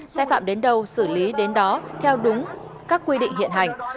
sai phạm đến đâu xử lý đến đó theo đúng các quy định hiện hành